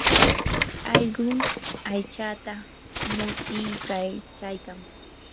allqum aytsata muskiykachaykan.